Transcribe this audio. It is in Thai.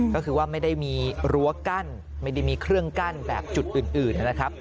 ก็คือว่าไม่ได้มีรั้วกั้นไม่ได้มีเครื่องกั้นแบบจุดอื่นนะครับ